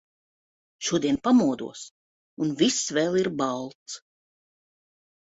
Šodien pamodos un viss vēl ir balts.